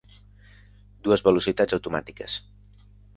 Dues velocitats automàtiques.